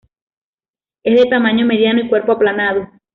Es de tamaño mediano y cuerpo aplanado.